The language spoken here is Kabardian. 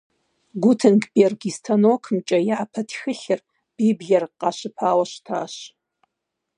Гутенгберг и станокымкӏэ япэ тхылъыр, Библиер, къащыпауэ щытащ.